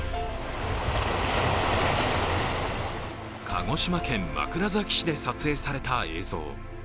鹿児島県枕崎市で撮影された映像。